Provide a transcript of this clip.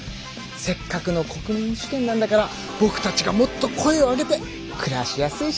せっかくの国民主権なんだからぼくたちがもっと声を上げて暮らしやすい社会にしなくちゃね。